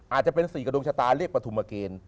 อาจจะเป็น๔กับดวงชะตาเรียกปฐุมเกณฑ์